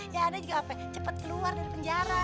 ya ada juga apa ya cepet keluar dari penjara